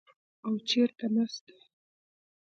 او چېرته نسته.